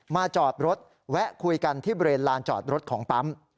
จอดรถแวะคุยกันที่บริเวณลานจอดรถของปั๊ม